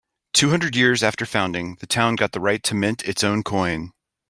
Two hundred years after founding, the town got the right to mint its own coin.